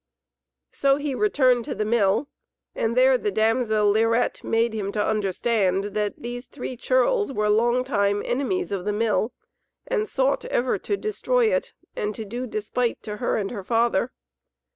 So he returned to the Mill, and there the damsel Lirette made him to understand that these three churls were long time enemies of the Mill, and sought ever to destroy it and to do despite to her and her father.